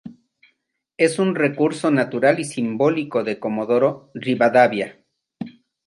Es un recurso natural y simbólico de Comodoro Rivadavia.